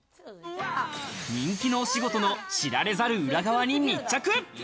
人気のお仕事の知られざる裏側に密着。